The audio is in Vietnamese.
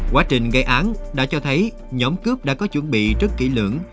quá trình gây án đã cho thấy nhóm cướp đã có chuẩn bị rất kỹ lưỡng